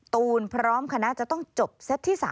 ตูนพร้อมคณะจะต้องจบเซตที่๓